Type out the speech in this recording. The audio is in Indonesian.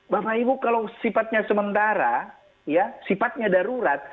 bapak ibu kalau sifatnya sementara ya sifatnya darurat